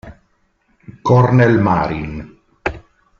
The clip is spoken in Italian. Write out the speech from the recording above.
Cornel Marin